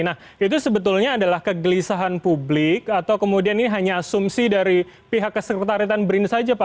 nah itu sebetulnya adalah kegelisahan publik atau kemudian ini hanya asumsi dari pihak kesekretaritan brin saja pak